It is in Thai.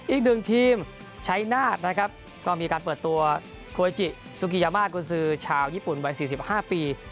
อีกหนึ่งทีมชัยนาธนะครับก็มีการเปิดตัวโคจิซูกิยามากุญซือชาวญี่ปุ่นวัย๔๕ปี